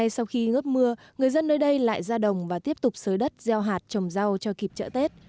sau khi ngớp mưa người dân nơi đây lại ra đồng và tiếp tục sới đất gieo hạt trồng rau cho kịp chợ tết